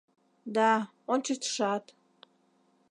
— Да, ончычшат!..